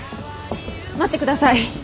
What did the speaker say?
待ってください。